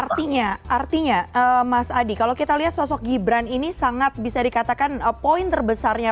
artinya artinya mas adi kalau kita lihat sosok gibran ini sangat bisa dikatakan poin terbesarnya